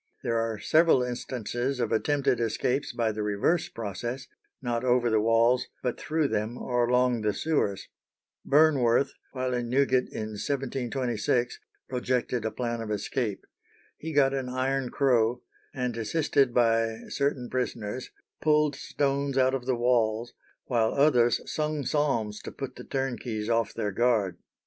There are several instances of attempted escapes by the reverse process, not over the walls, but through them or along the sewers. Burnworth, while in Newgate in 1726, projected a plan of escape. He got an iron crow, and assisted by certain prisoners, pulled stones out of the walls, while others sung psalms to put the turnkeys off their guard.